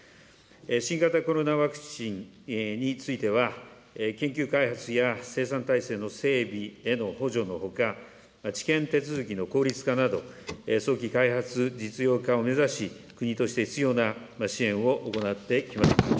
新型コロナワクチンについては、研究開発や生産体制の整備への補助のほか、治験手続きの効率化など、早期開発実用化を目指し、国として必要な支援を行ってきました。